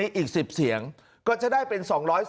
อีก๑๐เสียงก็จะได้เป็น๒๔๐